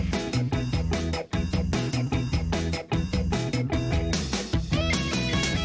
โปรดติดตามตอนต่อไป